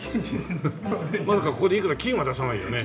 まさかここでいくら金は出さないよね？